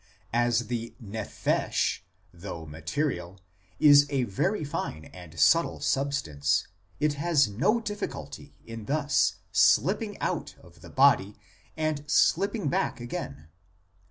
1 As the nephesh, though material, is a very fine and subtle substance, it has no difficulty in thus slipping out of the body and slipping back again.